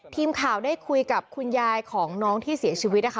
ทีมข่าวได้คุยกับคุณยายของน้องที่เสียชีวิตนะคะ